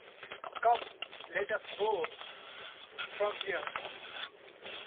Come, let us go from here!